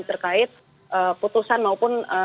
terkait putusan maupun